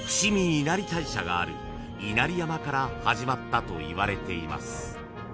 ［がある稲荷山から始まったといわれています］